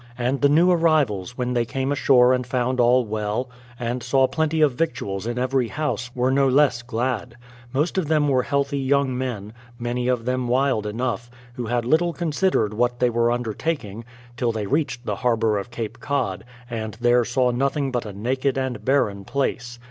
And the new arrivals, when they came ashore and found all well, and saw plenty of victuals in every house, were no less glad. Most of them were healthy young men, many of them wild enough, who had little considered what they were undertaking, — till they reached the harbour of Cape Cod, and there saw nothing but a naked and barren place.